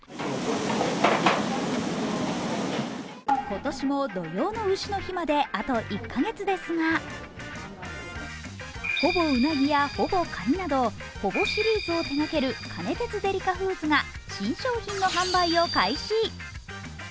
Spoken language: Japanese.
今年も土用のうしの日まであと１カ月ですがほぼうなぎや、ほぼカニなどほぼシリーズを手掛けるカネテツデリカフーズが新商品の販売を開始。